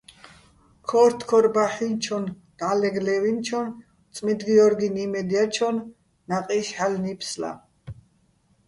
ქო́რთოქორბაჰ̦ინჩონ, და́ლეგ ლე́ვინჩონ წმიდგიორგიჼ იმედ ჲაჩონ ნაყი́შ ჰ̦ალო̆ ნიფსლა.